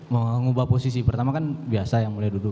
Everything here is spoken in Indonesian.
mengubah posisi pertama kan biasa yang mulai duduk